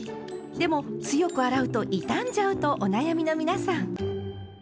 でも強く洗うと傷んじゃうとお悩みの皆さん。